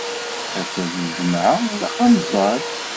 Ass-a d lǧemɛa, ilaq ad neẓẓal.